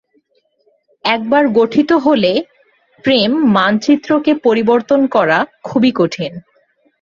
একবার গঠিত হলে, প্রেম মানচিত্রকে পরিবর্তন করা খুবই কঠিন।